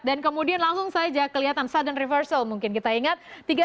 dan kemudian langsung saja kelihatan sudden reversal mungkin kita ingat